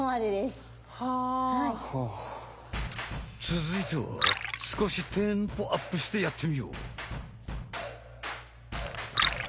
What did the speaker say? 続いては少しテンポアップしてやってみよう！